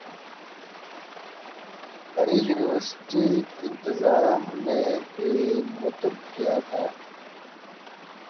اری یونیورسٹی انتظام نے بھی متب کیا تھا